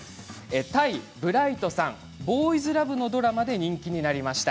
タイ、ブライトさんボーイズラブのドラマで人気になりました。